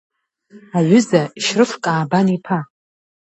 Аҩыза, Шьрыф Каабан-иԥа.